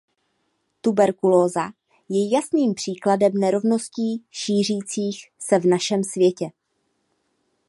Tuberkulóza je jasným příkladem nerovností šířících se v našem světě.